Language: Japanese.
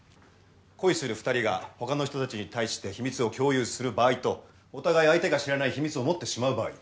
恋する２人が他の人たちに対して秘密を共有する場合とお互い相手が知らない秘密を持ってしまう場合。